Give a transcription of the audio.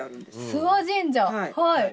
諏訪神社はい。